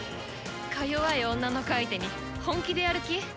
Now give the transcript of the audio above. か弱い女の子相手に本気でやる気？